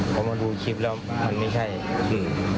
พอมาดูคลิปแล้วมันไม่ใช่อืม